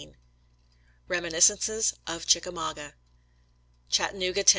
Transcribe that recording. XIV EEMINISOENCES OP CHIOKAMAUGA Chattanooga, Tbnn.